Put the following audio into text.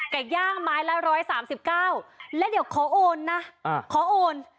ไก่ย่างไม้ละร้อยสามสิบเก้าแล้วเดี๋ยวขอโอนนะอ่าขอโอน